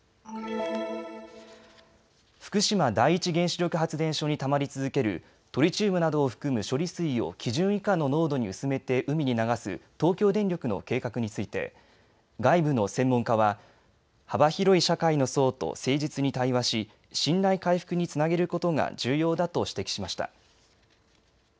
福島第一原子力発電所にたまり続けるトリチウムなどを含む処理水を基準以下の濃度に薄めて海に流す東京電力の計画について外部の専門家は幅広い社会の層と誠実に対話し、信頼回復につなげることが重要だと指摘しました。